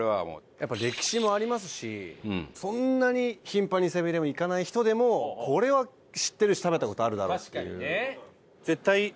やっぱり歴史もありますしそんなに頻繁にセブン−イレブン行かない人でもこれは知ってるし食べた事あるだろうっていう。